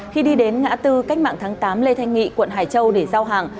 khi đi đến ngã tư cách mạng tháng tám lê thanh nghị quận hải châu để giao hàng